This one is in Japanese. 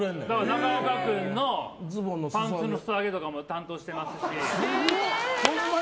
中岡君のパンツのすそ上げとかも担当してますし。